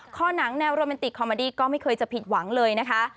หนังแนวโรแมนติกคอมมาดี้ก็ไม่เคยจะผิดหวังเลยนะคะ